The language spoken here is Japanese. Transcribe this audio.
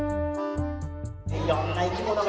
いろんな生き物がいるよ。